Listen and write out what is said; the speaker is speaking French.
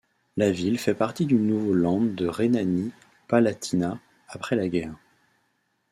La ville fait partie du nouveau land de Rhénanie-Palatinat après la guerre.